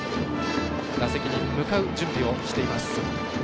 打席に向かう準備をしています。